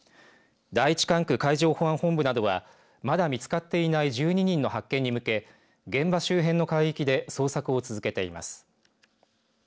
第１管区海上保安本部などはまだ見つかっていない１２人の発見に向け現場周辺の海域で捜索を続けています。